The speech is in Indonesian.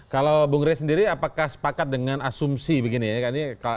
kalau bung rey sendiri apakah sepakat dengan asumsi begini ya